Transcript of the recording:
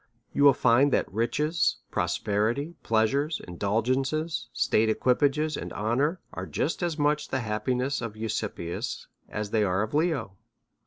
You will find that riches, prosperity, pleasures, indulgences, state, equipage, and honour, are just as much the hap piness of Eusebius as they are of Leo.